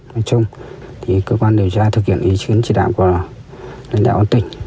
nói chung cơ quan điều tra thực hiện ý chứng trị đạo của lãnh đạo tỉnh